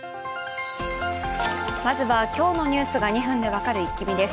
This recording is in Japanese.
まずは今日のニュースが２分で分かるイッキ見です。